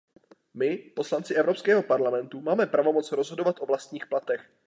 My, poslanci Evropského parlamentu, máme pravomoc rozhodovat o vlastních platech.